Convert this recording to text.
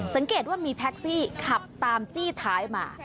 สังเกตว่ามีแท็กซี่ขับตามจี้ท้ายมา